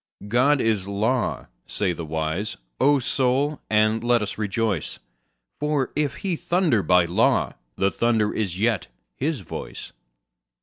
God is law, say the wise; O Soul, and let us rejoice, For if He thunder by law the thunder is yet His voice.